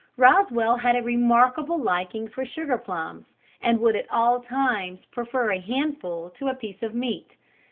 Rosswell had a remarkable liking for sugar plums, and would at all times prefer a handful to a piece of meat.